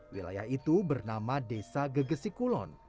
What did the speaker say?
wilayah itu bernama desa gegesi kulon